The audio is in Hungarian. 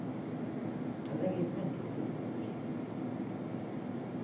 Az egész rendkívül otthonos.